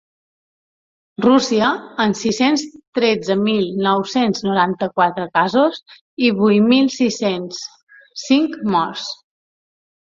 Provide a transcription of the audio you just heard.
Rússia, amb sis-cents tretze mil nou-cents noranta-quatre casos i vuit mil sis-cents cinc morts.